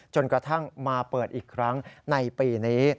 จนกระทั่งมาเปิดอีกครั้งในปีนี้